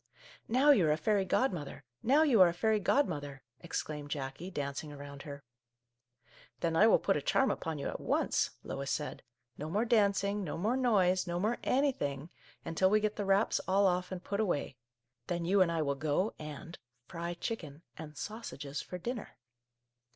" Now you are a fairy godmother ! Now you are a fairy godmother !" exclaimed Jackie, dancing around her. " Then I will put a charm upon you at once," Lois said. " No more dancing, no more noise, no more anything, until we get the wraps all off and put away ; then you and I will go and — fry chicken — and sausages — for dinner